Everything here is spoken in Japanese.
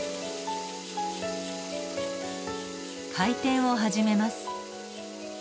回転を始めます。